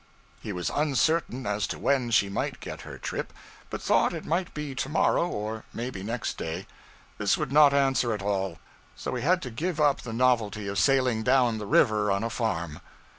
He was uncertain as to when she might get her trip, but thought it might be to morrow or maybe next day. This would not answer at all; so we had to give up the novelty of sailing down the river on a farm.